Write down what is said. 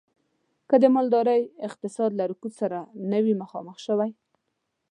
که د مالدارۍ اقتصاد له رکود سره نه وی مخامخ شوی.